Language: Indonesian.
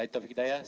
itu yang terjadi